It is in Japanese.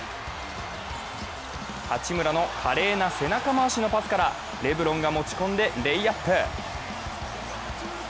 八村の華麗な背中回しのパスからレブロンが持ち込んでレイアップ。